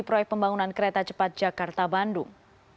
proyek pembangunan kereta cepat jakarta bandung